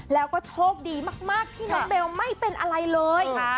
แล้วก็โชคดีมากที่น้องเบลไม่เป็นอะไรเลย